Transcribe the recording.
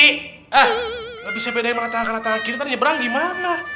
hah gak bisa bedain tangan kanan kiri ntar nyebrang gimana